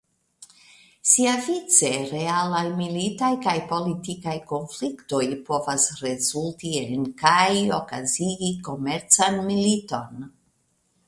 Siavice realaj militaj kaj politikaj konfliktoj povas rezulti en kaj okazigi komercan militon.